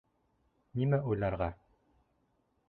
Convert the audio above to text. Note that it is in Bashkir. Нимә уйларға?